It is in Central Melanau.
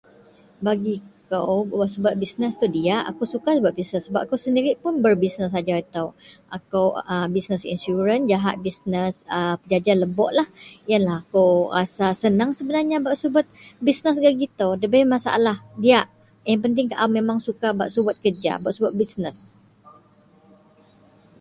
bagi kou, bak subet bisness itou diak, akou suka subet bisness, sebab akou sendirik pun berbisness ajau itou, akou a bisness insuran jahak bisness a pejaja leboklah, ienlah akou rasa senang sebenarnya bak subet bisness gak gitou, debei masalah diak yang penting akou memang suka bak subet kerja bak subet bisness